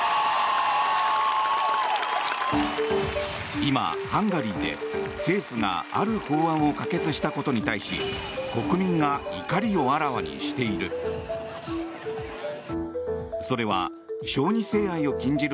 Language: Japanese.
今、ハンガリーで政府がある法案を可決したことに対し国民が怒りをあらわにしている。